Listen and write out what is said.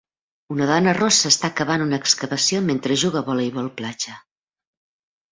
Una dona rossa està acabant una excavació mentre juga a voleibol platja.